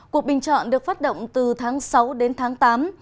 cuộc bình chọn được phát động từ tháng sáu đến tháng tám